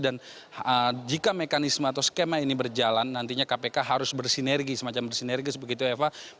dan jika mekanisme atau skema ini berjalan nantinya kpk harus bersinergi semacam bersinergi seperti itu eva